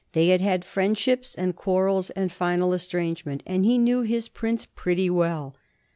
They had had friendships and quar rels and final estrangement, and he knew his prince pret ty well.